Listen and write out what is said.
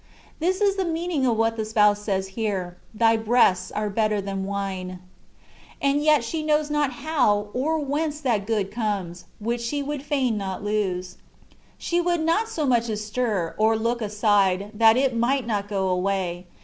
This is the meaning of what the Spouse says here :—" Thy breasts are better than wine.'' And yet she knows not how, nor whence that good comes, which she would fain not lose. She would not so much as stir, or look aside, that it might not go away.